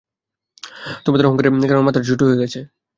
তোমার অহংকারের কারণে মাথাটা ছোট হয়ে গেছে।